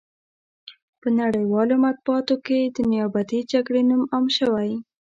په نړیوالو مطبوعاتو کې د نیابتي جګړې نوم عام شوی.